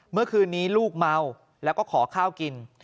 เมื่อคืนนี้ลูกเมาแล้วก็ขอข้าวกิน